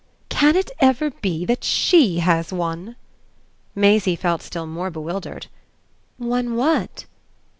"Can it ever be that SHE has one?" Maisie felt still more bewildered. "One what?"